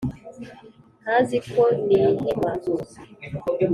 ntazi ko nihima